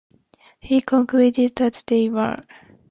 He concluded that they were.